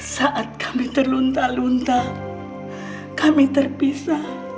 saat kami terlunta lunta kami terpisah